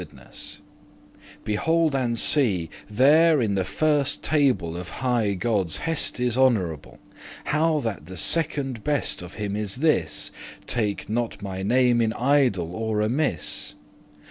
* *wickedness Behold and see, there in the firste table Of highe Godde's hestes* honourable, *commandments How that the second best of him is this, Take not my name in idle* or amiss.